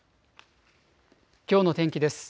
きょうの天気です。